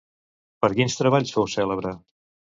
Per quins treballs fou cèlebre?